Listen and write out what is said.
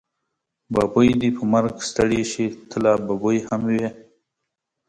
ببۍ دې په مرګ ستړې شې، ته لا ببۍ هم وی.